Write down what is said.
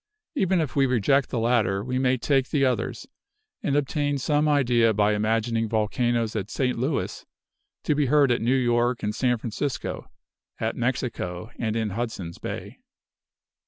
Even if we reject the latter, we may take the others, and obtain some idea by imagining volcanoes at St. Louis to be heard at New York and San Francisco, at Mexico and in Hudson's Bay.